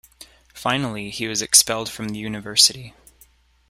Finally, he was expelled from the university.